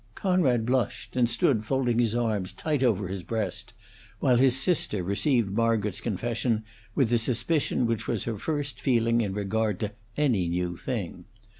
Conrad blushed and stood folding his arms tight over his breast, while his sister received Margaret's confession with the suspicion which was her first feeling in regard to any new thing.